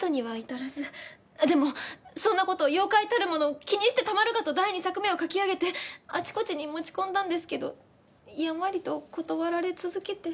でもそんな事妖怪たるもの気にしてたまるかと第２作目を書き上げてあちこちに持ち込んだんですけどやんわりと断られ続けて。